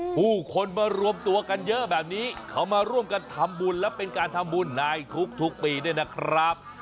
ผู้คนมารวมตัวกันเยอะแบบนี้เขามาร่วมกันทำบุญและเป็นการทำบุญในทุกปีด้วยนะครับ